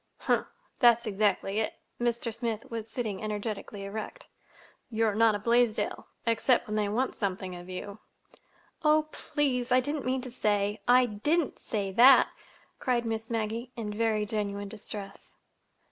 "Humph! That's exactly it!" Mr. Smith was sitting energetically erect. "You're not a Blaisdell—except when they want something of you!" "Oh please, I didn't mean to say—I didn't say—that," cried Miss Maggie, in very genuine distress.